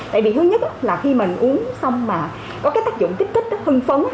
tại vì thứ nhất là khi mình uống xong mà có cái tác dụng kích thích hương phấn